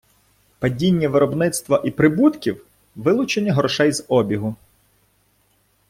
Падіння виробництва і прибутків - вилучення грошей з обігу.